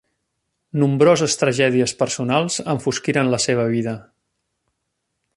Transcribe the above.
Nombroses tragèdies personals enfosquiren la seva vida.